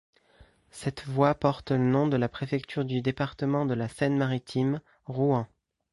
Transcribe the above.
Cette voie porte le nom de la préfecture du département de la Seine-Maritime, Rouen.